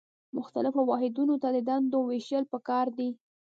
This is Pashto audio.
مختلفو واحدونو ته د دندو ویشل پکار دي.